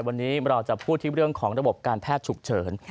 วันนี้เราจะพูดที่เรื่องของระบบการแพทย์ฉุกเฉิน